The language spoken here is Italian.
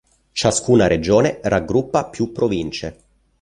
Ciascuna regione raggruppa più province.